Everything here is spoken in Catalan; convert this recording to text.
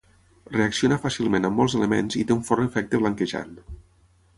Reacciona fàcilment amb molts elements i té un fort efecte blanquejant.